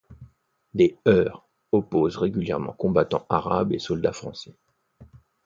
Des heurts opposent régulièrement combattants arabes et soldats français.